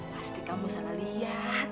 pasti kamu salah liat